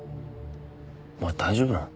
お前大丈夫なの？